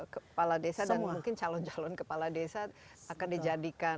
kepala desa dan mungkin calon calon kepala desa akan dijadikan